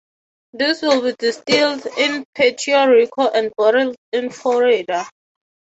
This will be distilled in Puerto Rico and bottled in Florida.